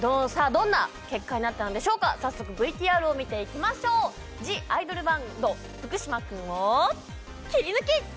どんな結果になったのでしょうか早速ＶＴＲを見ていきましょう「ＴＨＥＩＤＯＬＢＡＮＤ」福嶌くんをキリヌキ！